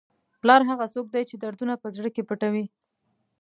پلار هغه څوک دی چې دردونه په زړه کې پټوي.